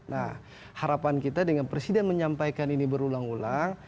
nah harapan kita dengan presiden menyampaikan ini berulang ulang